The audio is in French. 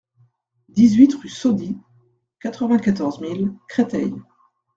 dix-huit rue Soddy, quatre-vingt-quatorze mille Créteil